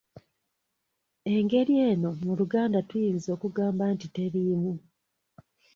Engeri eno mu Luganda tuyinza okugamba nti teriimu.